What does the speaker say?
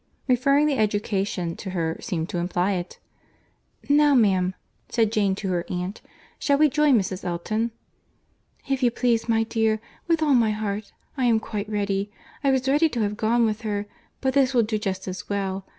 Referring the education to her seemed to imply it. "Now, ma'am," said Jane to her aunt, "shall we join Mrs. Elton?" "If you please, my dear. With all my heart. I am quite ready. I was ready to have gone with her, but this will do just as well.